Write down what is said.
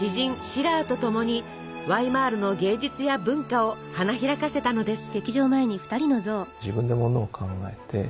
シラーとともにワイマールの芸術や文化を花開かせたのです。